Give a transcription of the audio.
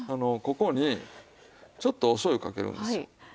ここにちょっとお醤油をかけるんです。